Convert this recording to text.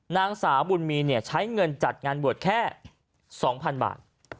นางสาวบุญมีใช้เงินจัดงานบวชแค่๒๐๐๐บาท